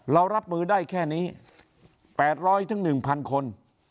เรารับมือได้แค่นี้แปดร้อยถึงหนึ่งพันคน